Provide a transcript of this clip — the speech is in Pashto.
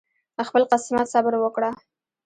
خپل قسمت صبر وکړه